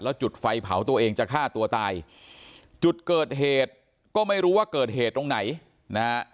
จุดไฟเผาตัวเองจะฆ่าตัวตายจุดเกิดเหตุก็ไม่รู้ว่าเกิดเหตุตรงไหนนะฮะ